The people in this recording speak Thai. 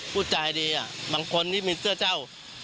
พูดจาดีบางคนที่มีเสื้อเจ้า